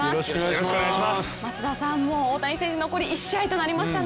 松田さん、大谷選手、残り１試合となりましたね。